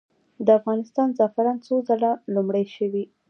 د افغانستان زعفران څو ځله لومړي شوي؟